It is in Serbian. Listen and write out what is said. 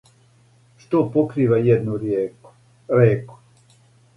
Што покрива једну реку